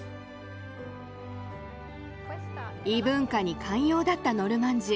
異文化に寛容だったノルマン人。